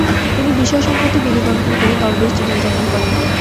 তিনি বিষয় সম্পত্তি বিলিবণ্টন করে দরবেশ-জীবন যাপন করেন।